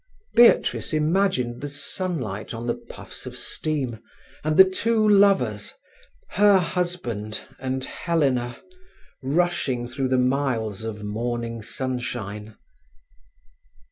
Beatrice imagined the sunlight on the puffs of steam, and the two lovers, her husband and Helena, rushing through the miles of morning sunshine.